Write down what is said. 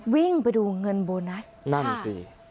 วิ่งไปดูเงินโบนัสนั่นสิ